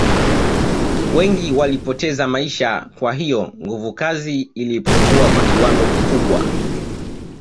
Wengi walipoteza maisha kwa hiyo nguvukazi ilipungua kwa kiwango kikubwa